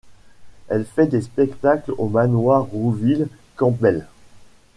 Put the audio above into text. Elle fait des spectacles au manoir Rouville-Campbell.